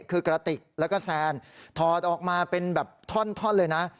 คือกระติกแล้วก็แซนถอดออกมาเป็นแบบท่อนเลยนะ